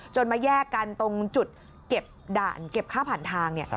มาแยกกันตรงจุดเก็บด่านเก็บค่าผ่านทาง